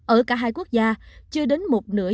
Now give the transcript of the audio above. ở cả hai quốc gia chưa đến một nửa dân số